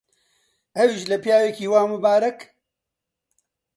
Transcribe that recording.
ئەویش لە پیاوێکی وا ممبارەک؟!